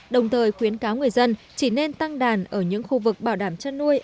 đồng thời khuyến cáo người dân chỉ nên tăng đàn ở những khu vực bảo đảm chăn nuôi